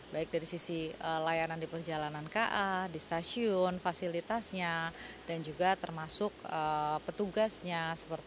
baik dari sisi layanan di perjalanan ka di stasiun fasilitasnya dan juga termasuk petugasnya